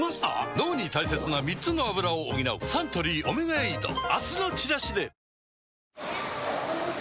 脳に大切な３つのアブラを補うサントリー「オメガエイド」明日のチラシで１回開いて。